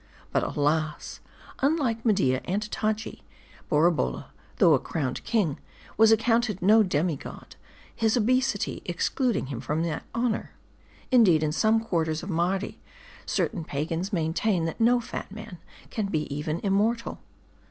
But alas ! unlike Media and Taji, Borabolla, though a crowned king, was accounted no demi god ; his obesity excluding him from that honor. Indeed, in some quarters of Mardi, certain pagans maintain, that no fat man can be even immortal.